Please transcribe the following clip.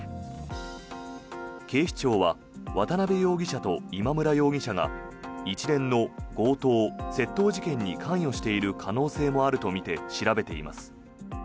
警視庁は渡邉容疑者と今村容疑者が一連の強盗・窃盗事件に関与している可能性もあるとみて調べています。